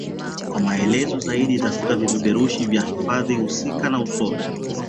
Kwa maelezo zaidi tafuta vipeperushi vya hifadhi husika na usome